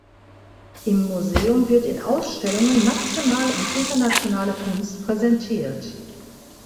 Im Museum wird in Ausstellungen nationale und internationale Kunst präsentiert.